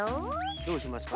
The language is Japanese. どうしますかね。